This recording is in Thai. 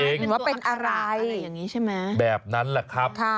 อย่างว่าเป็นอะไรแบบนั้นอ่ะครับ